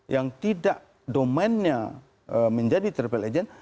yang tidak domainnya menjadi travel agent